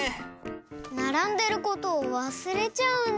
ならんでることをわすれちゃうんじゃ。